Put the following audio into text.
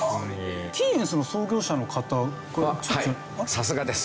さすがです。